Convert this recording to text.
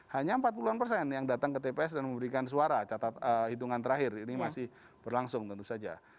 hanya empat puluh an persen yang datang ke tps dan memberikan suara catat hitungan terakhir ini masih berlangsung tentu saja